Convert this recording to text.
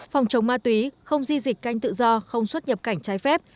phòng chống ma túy không di dịch canh tự do không xuất nhập cảnh trái phép